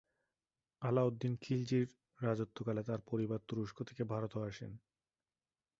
আলাউদ্দিন খিলজির রাজত্বকালে তার পরিবার তুরস্ক থেকে ভারতে আসেন।